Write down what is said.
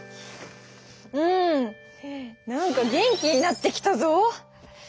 うん何か元気になってきたぞ！